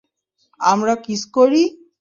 আমরা কিস করি?